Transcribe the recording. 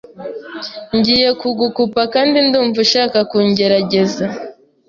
Ngiye kugukupa kandi ndumva ushaka kungerageza